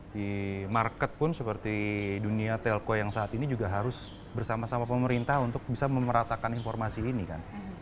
di market pun seperti dunia telko yang saat ini juga harus bersama sama pemerintah untuk bisa memeratakan informasi ini kan